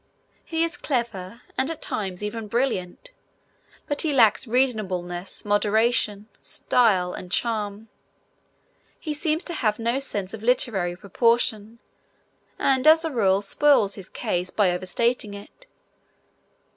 He is clever, and, at times, even brilliant, but he lacks reasonableness, moderation, style and charm. He seems to have no sense of literary proportion, and, as a rule, spoils his case by overstating it.